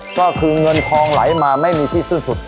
ก็คือเงินทองไหลมาไม่มีที่สิ้นสุด